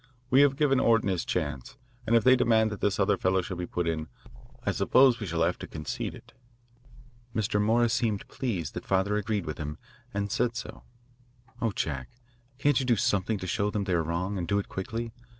We have given Orton his chance, and if they demand that this other fellow shall be put in, I suppose we shall have to concede it.' Mr. Morris seemed pleased that father agreed with him and said so. Oh, Jack, can't you do something to show them they are wrong, and do it quickly?